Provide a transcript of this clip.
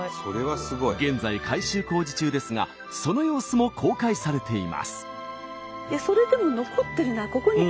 現在改修工事中ですがその様子も公開されています。